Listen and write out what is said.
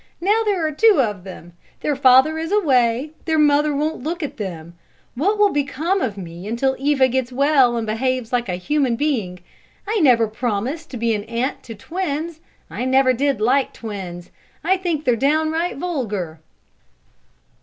Now there are two of them. Their father is away, their mother won't look at them! What will become of me until Eva gets well and behaves like a human being? I never promised to be an aunt to twins; I never did like twins; I think they're downright vulgar!"